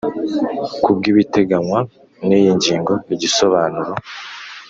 Ku bw ibiteganywa n iyi ngingo igisobanuro